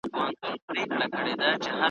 موږ ته قسمت پر کنډوونو ورکي لاري کښلي `